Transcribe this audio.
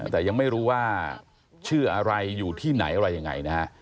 แต่ยังไม่รู้ว่าชื่ออะไรอยู่ที่ไหนอะไรยังไงนะฮะ